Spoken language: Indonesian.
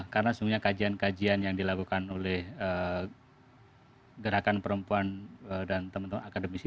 karena sebenarnya kajian kajian yang dilakukan oleh gerakan perempuan dan teman teman akademik